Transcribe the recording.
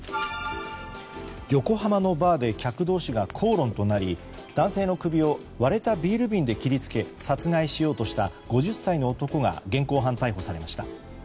横浜のバーで客同士が口論となり男性の首を割れたビール瓶で切りつけ殺害しようとした５０歳の男が現行犯逮捕されました。